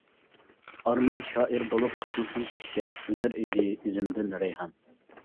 ئارمان شائىر بولۇپ قېتىلسام سەپكە، ئۈنەر ئىدى ئىزىمدىن رەيھان.